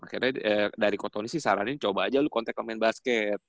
akhirnya dari kotoni sih saranin coba aja lu kontek ke main basket